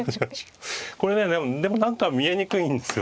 これねでも何か見えにくいんですよ。